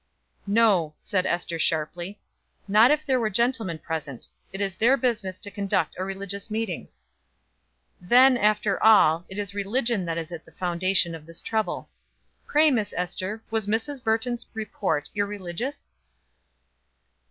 "No," said Ester sharply, "not if there were gentlemen present. It is their business to conduct a religious meeting." "Then, after all, it is religion that is at the foundation of this trouble. Pray, Miss Ester, was Mrs. Burton's report irreligious?"